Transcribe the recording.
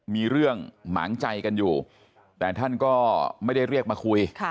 มีเรื่องหมางใจกันอยู่แต่ท่านก็ไม่ได้เรียกมาคุย